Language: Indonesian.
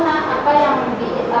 seperti hanya kayak kita ini kan